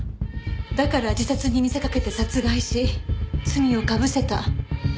だから自殺に見せかけて殺害し罪をかぶせた。